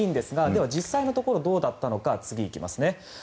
は、実際のところどうだったのか次に行きますね。